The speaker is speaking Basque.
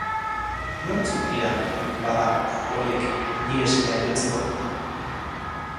Nortzuk dira, bada, horiek, nire semea jotzeko?